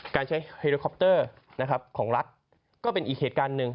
การใช้เฮอร์โครปเตอร์ของรัฐก็เป็นอีกเหตุการณ์หนึ่ง